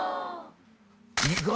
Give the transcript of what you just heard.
意外！